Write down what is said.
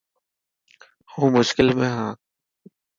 هون مشڪل ۾ هان.